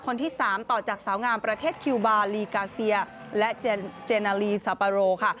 คนที่๓ต่อจากสาวงามประเทศคิวบาลีกาเซียและเจนาลีซาปาโรค่ะ